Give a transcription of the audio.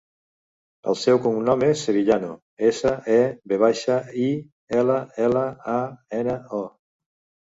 El seu cognom és Sevillano: essa, e, ve baixa, i, ela, ela, a, ena, o.